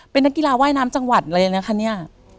เป็นนักกีฬาว่ายน้ำจังหวัดเลยนะคะเนี่ย